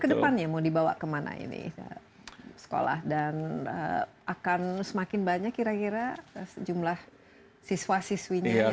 kedepannya mau dibawa kemana ini sekolah dan akan semakin banyak kira kira jumlah siswa siswinya